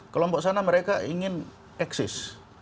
kelompok sana mereka ingin eksis